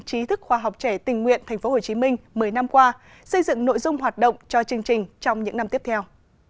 trí thức khoa học trẻ tình nguyện tp hcm một mươi năm qua xây dựng nội dung hoạt động cho chương trình trong những năm tiếp theo